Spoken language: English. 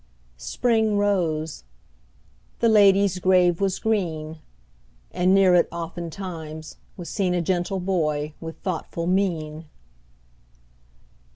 Spring rose; the lady's grave was green; And near it, oftentimes, was seen A gentle boy with thoughtful mien.